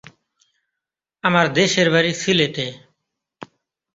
আমার দেশের বাড়ি সিলেটে।